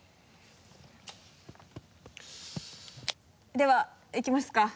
ではいきますか。